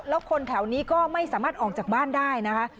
แล้วคนแถวนี้ก็ไม่สามารถออกจากบ้านได้นะคะ